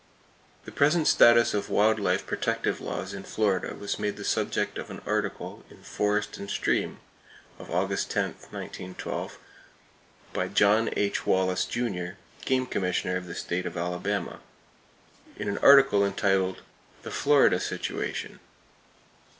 The present status of wild life protective laws in Florida was made the subject of an article in Forest and Stream of August 10, 1912, by John H. Wallace, Jr., Game Commissioner of the State of Alabama, in an article entitled "The Florida Situation."